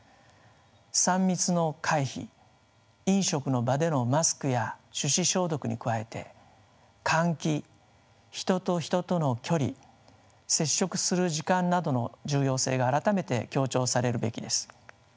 ３密の回避飲食の場でのマスクや手指消毒に加えて換気人と人との距離接触する時間などの重要性が改めて強調されるべきです。